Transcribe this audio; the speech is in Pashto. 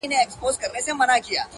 • نه پوهیږو چي په کوم ځای کي خوږمن یو -